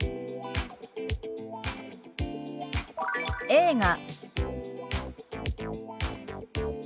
「映画」。